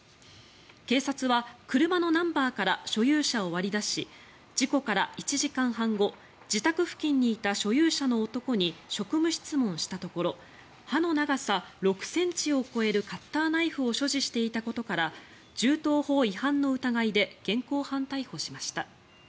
警察は車のナンバーから所有者を割り出し事故から１時間半後自宅付近にいた所有者の男に職務質問したところ刃の長さ６ｃｍを超えるカッターナイフを所持していたことから銃刀法違反の疑いで現行犯逮捕しました。